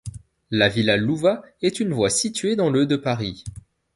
La villa Louvat est une voie située dans le de Paris.